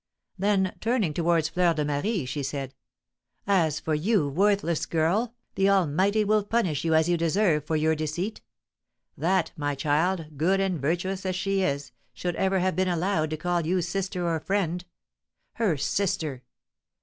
Then, turning towards Fleur de Marie, she said: "As for you, worthless girl, the Almighty will punish you as you deserve for your deceit! That my child, good and virtuous as she is, should ever have been allowed to call you sister or friend. Her sister!